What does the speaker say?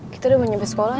kita sudah sampai sekolah